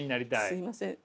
すいません。